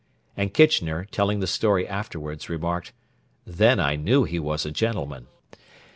And Kitchener, telling the story afterwards, remarked, 'Then I knew he was a gentleman.'